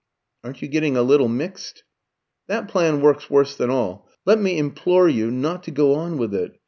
"Aren't you getting a little mixed?" "That plan works worse than all. Let me implore you not to go on with it.